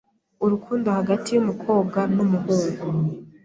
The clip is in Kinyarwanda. urukundo hagati y’umukobwa n’umuhungu